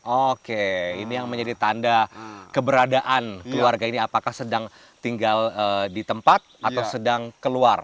oke ini yang menjadi tanda keberadaan keluarga ini apakah sedang tinggal di tempat atau sedang keluar